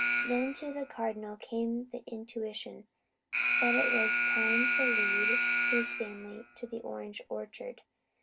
Then to the Cardinal came the intuition that it was time to lead his family to the orange orchard.